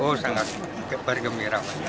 oh sangat bergembira pak